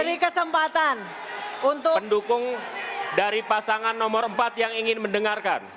beri kesempatan untuk pendukung dari pasangan nomor empat yang ingin mendengarkan